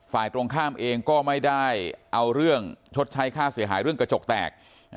ฝ่ายตรงข้ามเองก็ไม่ได้เอาเรื่องชดใช้ค่าเสียหายเรื่องกระจกแตก